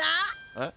えっ？